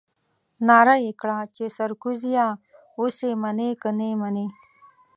نعره يې کړه چې سرکوزيه اوس يې منې که نه منې.